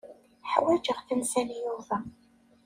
Ḥwajeɣ tansa n Yuba.